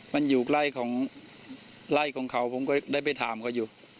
มันอยู่ใกล้ของไล่ของเขาผมก็ได้ไปถามเขาอยู่